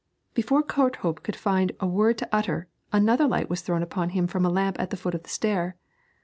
Before Courthope could find a word to utter, another light was thrown upon him from a lamp at the foot of the stair.